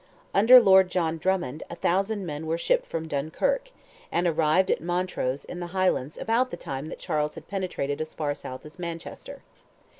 Under Lord John Drummond a thousand men were shipped from Dunkirk, and arrived at Montrose in the Highlands about the time Charles had penetrated as far south as Manchester.